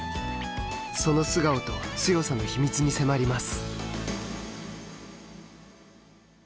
その素顔と強さの秘密に迫ります。